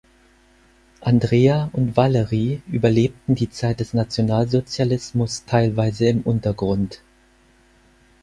Andrea und Valerie überlebten die Zeit des Nationalsozialismus teilweise im Untergrund.